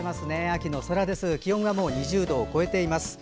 秋の空、気温が２０度を超えています。